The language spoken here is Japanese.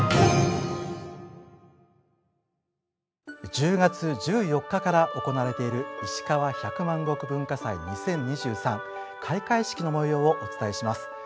１０月１４日から行われている「いしかわ百万石文化祭２０２３」開会式の模様をお伝えします。